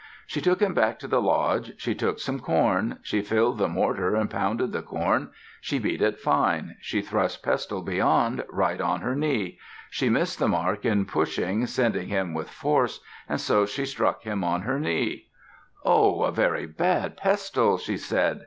She took him back to the lodge. She took some corn. She filled the mortar and pounded the corn. She beat it fine. She thrust Pestle beyond, right on her knee. She missed the mark in pushing, sending him with force, and so she struck him on her knee. "Oh! A very bad pestle," she said.